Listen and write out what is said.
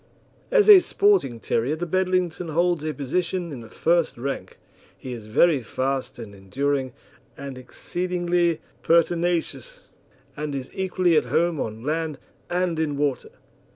As a sporting terrier the Bedlington holds a position in the first rank. He is very fast and enduring, and exceedingly pertinacious, and is equally at home on land and in water.